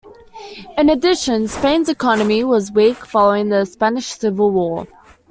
In addition, Spain's economy was weak following the Spanish Civil War.